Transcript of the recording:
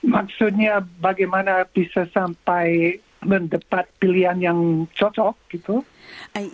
maksudnya bagaimana bisa sampai mendapat pilihan yang cocok gitu